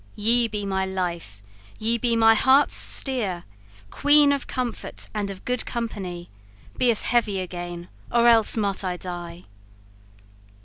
You be my life, you be mine heart's steer*, *helmsman Queen of comfort and of good company: Be heavy again, or else might I die!